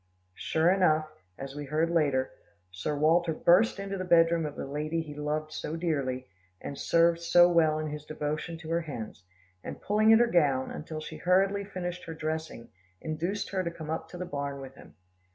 Sure enough, as we heard later, Sir Walter burst into the bed room of the lady he loved so dearly, and served so well in his devotion to her hens, and pulling at her gown, until she hurriedly finished her dressing, induced her to come up to the barn with him.